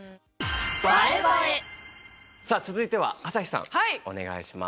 さあ続いては朝日さんお願いします。